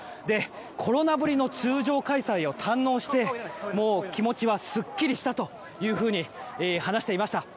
コロナぶりの通常開催を堪能して気持ちはすっきりしたというふうに話していました。